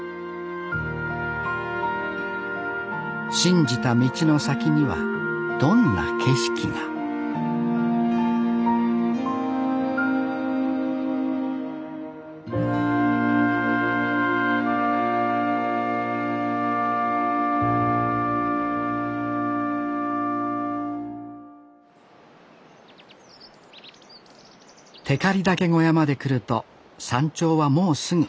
信じた道の先にはどんな景色が光岳小屋まで来ると山頂はもうすぐ。